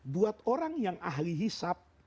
buat orang yang ahli hisap